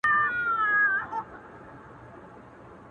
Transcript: آفتونو پكښي كړي ځالګۍ دي!.